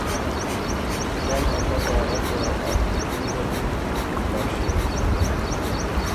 تَۀ ل ا پته اغک که ا انګرېزل زُت مُخکی تر ݭیوک هۀ